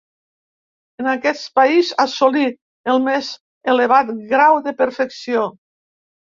En aquest país assolí el més elevat grau de perfecció.